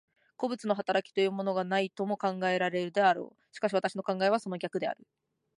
個物の働きというものがないとも考えられるであろう。しかし私の考えはその逆である。